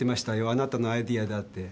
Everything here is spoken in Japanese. あなたのアイデアだって。